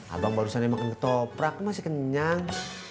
abang barusannya makan ketoprak masih kenyang